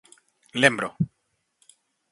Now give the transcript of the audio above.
_Lembro.